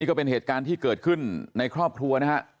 ก็เป็นเหตุการณ์ที่เกิดขึ้นในครอบครัวนะฮะ